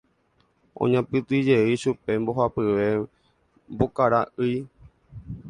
Oñapytĩjey chupe mbohapyve mbokara'ỹi.